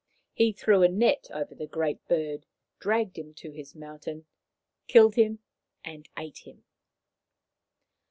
He threw a net over the Great Bird, dragged him to his mountain, killed him and ate him.